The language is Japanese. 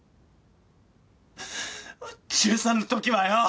中３のときはよ